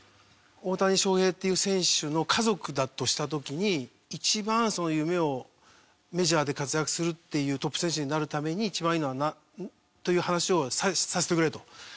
大谷翔平っていう選手の家族だとした時に一番その夢をメジャーで活躍するっていうトップ選手になるために一番いいのはという話をさせてくれと。